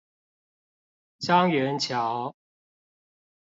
樟原橋